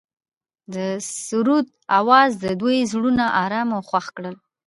د سرود اواز د دوی زړونه ارامه او خوښ کړل.